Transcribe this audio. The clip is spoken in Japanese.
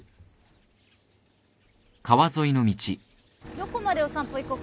どこまでお散歩行こっか。